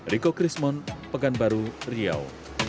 riko krismon pegan baru riau